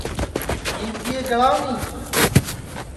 ڈؔؔیوٹیئے جݪاو نی